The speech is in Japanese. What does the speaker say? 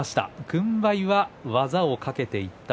軍配は技をかけていた翠